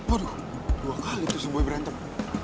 aduh dua kali tuh seboy berantem